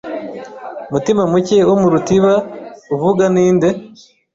Mutimamuke wo mu rutiba uvuga ni nde